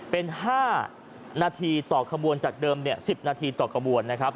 เป็น๕นาทีต่อขบวนจากเดิม๑๐นาทีต่อขบวนนะครับ